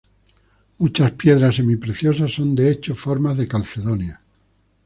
Muchas piedras semipreciosas, son de hecho, formas de calcedonia.